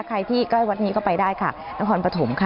ใกล้ที่ใกล้วัดนี้ก็ไปได้ค่ะนครปฐมค่ะ